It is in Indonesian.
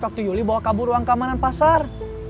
waktu yuli bawa kabur ruang keamanan pasar